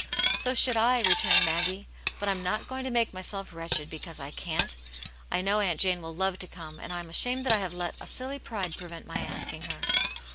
"So should I," returned Maggie, "but I'm not going to make myself wretched because I can't. I know Aunt Jane will love to come, and I am ashamed that I have let a silly pride prevent my asking her.